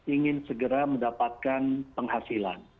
ingin segera mendapatkan penghasilan